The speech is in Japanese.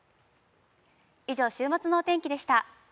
以上、週末のお天気でした。